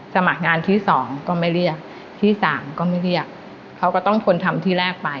สมัครงานที่สองก็ไม่เรียกที่สามก็ไม่เรียกเขาก็ต้องทนทำที่แรกไป